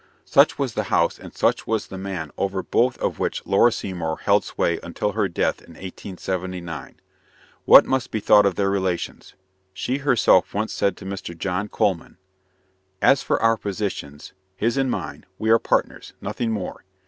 Such was the house and such was the man over both of which Laura Seymour held sway until her death in 1879. What must be thought of their relations? She herself once said to Mr. John Coleman: "As for our positions his and mine we are partners, nothing more.